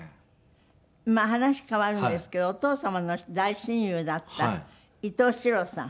まあ話変わるんですけどお父様の大親友だった伊東四朗さん。